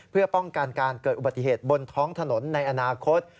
เพื่อป้องกันการเกิดอุบัติเหตุบนท้องถนนในอนาคต